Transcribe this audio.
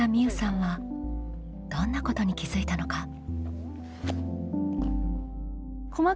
うさんはどんなことに気づいたのか？